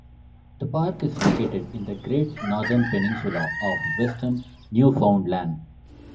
The park is located in the Great Northern Peninsula of Western Newfoundland.